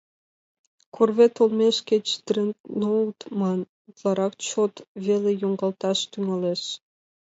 Корвет олмеш кеч дредноут ман, утларак чот веле йоҥгалташ тӱҥалеш.